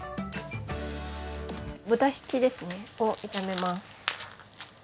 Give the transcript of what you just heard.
豚ひきですねを炒めます。